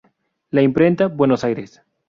La Imprenta, Buenos Aires.